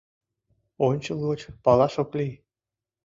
— Ончылгоч палаш ок лий.